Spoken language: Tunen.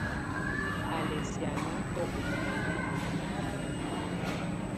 Á lɛ́ sìánatɔ́ ú bùána ú mimǝ́ númǝ́.